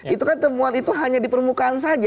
itu kan temuan itu hanya di permukaan saja